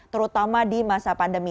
terutama di masa pandemi